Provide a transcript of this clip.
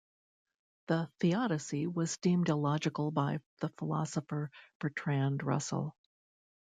The "Theodicy" was deemed illogical by the philosopher Bertrand Russell.